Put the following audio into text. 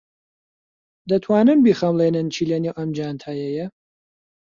دەتوانن بیخەملێنن چی لەنێو ئەم جانتایەیە؟